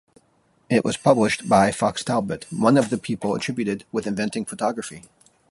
It was published by Fox Talbot, one of the people attributed with inventing photography.